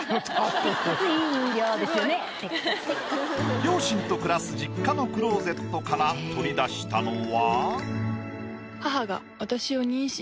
両親と暮らす実家のクローゼットから取り出したのは。